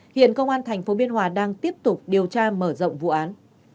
hiện công an thành phố biên hòa đang tiếp tục điều tra mở rộng vụ án